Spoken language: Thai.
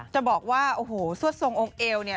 จะบอกว่าสวดทรงองค์เอว